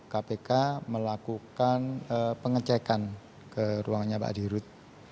kpk melakukan pengecekan ke ruangnya pak adi hirud